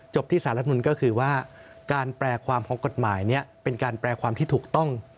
ที่สารรัฐมนุนก็คือว่าการแปลความของกฎหมายนี้เป็นการแปลความที่ถูกต้อง